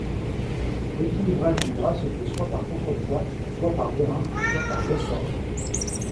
L´équilibrage du bras se fait soit par contrepoids, soit par vérin, soit par ressort.